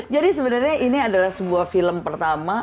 jadi sebenarnya ini adalah sebuah film pertama